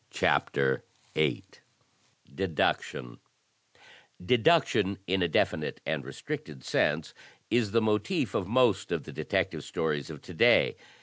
CHAPTER VIII DEDUCTION Deduction, in a definite and restricted sense, is the motif of most of the detective stories of to day.